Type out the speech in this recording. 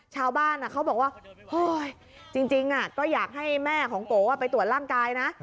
ชาวบ้านเขาบอกว่าเฮ้ยจริงก็อยากให้แม่ของโกไปตรวจร่างกายนะ